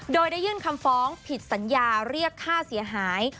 โดยได้ยื่นคำฟ้องผิดสัญญาเรียกค่าเสียหาย